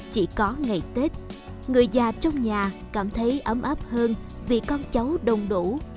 chỉ có ngày tết người già trong nhà cảm thấy ấm áp hơn vì con cháu đông đủ